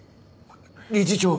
理事長